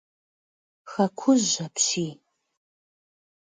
Хьэкъужь апщий!